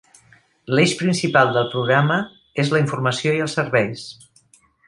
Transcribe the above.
L'eix principal del programa és la informació i els serveis.